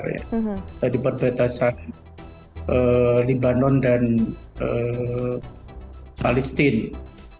ya dari perbatasan lebanon dan palestina